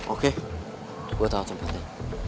oke gue tau tempatnya